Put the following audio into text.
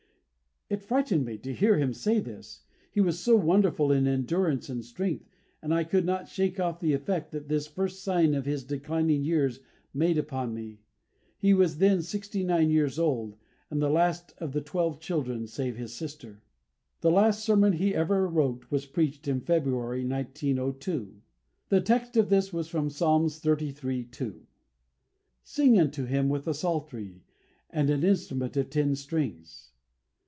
It frightened me to hear him say this, he was so wonderful in endurance and strength; and I could not shake off the effect that this first sign of his declining years made upon me. He was then sixty nine years old, and the last of the twelve children, save his sister. The last sermon he ever wrote was preached in February, 1902. The text of this was from Psalms xxxiii. 2: "Sing unto Him with the Psaltery, and an instrument of ten strings."